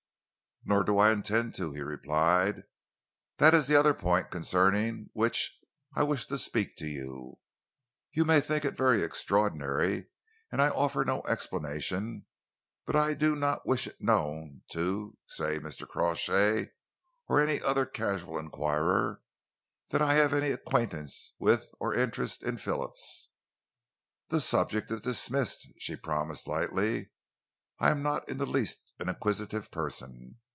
"Nor do I intend to," he replied. "That is the other point concerning which I wish to speak to you. You may think it very extraordinary, and I offer no explanation, but I do not wish it known to say, Mr. Crawshay, or any other casual enquirer, that I have any acquaintance with or interest in Phillips." "The subject is dismissed," she promised lightly. "I am not in the least an inquisitive person.